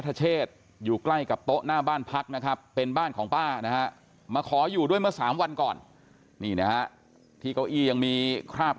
แต่คนไกลเขาจะได้ยินไงว่าได้ยินเสียงปืนแต่คนแถวนี้ก็จะไม่ได้ยิน